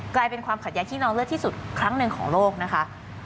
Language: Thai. กลายเป็นความขัดแย้งที่น้องเลือดที่สุดครั้งหนึ่งของโลกนะคะ